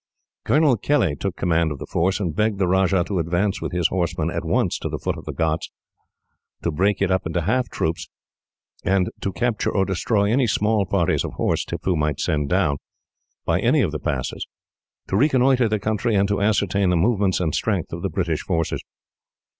Colonel Kelly took command of the force, and begged the Rajah to advance with his horsemen, at once, to the foot of the ghauts, to break it up into half troops, and to capture or destroy any small parties of horse Tippoo might send down, by any of the passes, to reconnoitre the country and ascertain the movements and strength of the British forces.